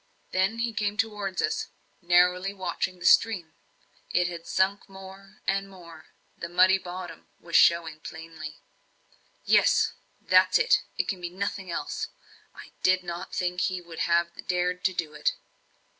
Then he came towards us, narrowly watching the stream. It had sunk more and more the muddy bottom was showing plainly. "Yes that's it it can be nothing else! I did not think he would have dared to do it."